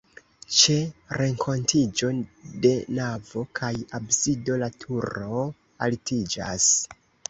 Ĉe renkontiĝo de navo kaj absido la turo altiĝas.